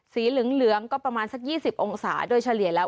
สีเหลืองก็ประมาณสัก๒๐องศาโดยเฉลี่ยแล้ว